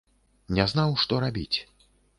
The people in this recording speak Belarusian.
Не знаў, што рабіць.